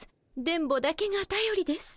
電ボだけがたよりです。